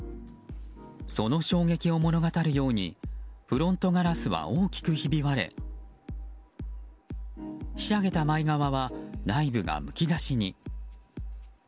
その衝撃を物語るようにフロントガラスは大きくひび割れひしゃげた前側は内部がむき出しに。